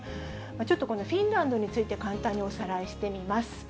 ちょっとこのフィンランドについて、簡単におさらいしてみます。